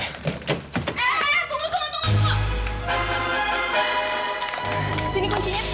hei tunggu tunggu tunggu tunggu